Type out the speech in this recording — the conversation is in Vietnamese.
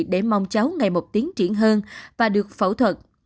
để mong cháu ngày một tiến triển hơn và được phẫu thuật